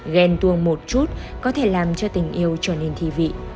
ghen tuông một chút có thể làm cho tình yêu trở nên thi vị